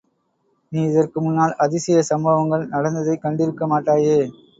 நீ இதற்கு முன்னால், அதிசய சம்பவங்கள் நடந்ததைக்கண்டிருக்க மாட்டாயே!